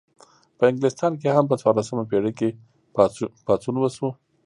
په انګلستان کې هم په څوارلسمه پیړۍ کې پاڅون وشو.